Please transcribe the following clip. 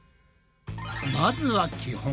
まずは基本。